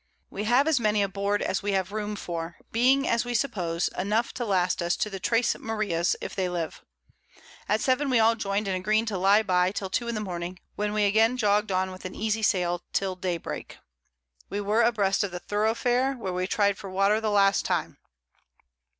We have as many a board as we have Room for, being, as we suppose, enough to last us to the Tres Marias, if they live. At 7 we all join'd, and agreed to lie by, till 2 in the Morning, when we again jogg'd on with an easy Sail till Day break. We were a breast of the Thorowfare, where we tried for Water the last time.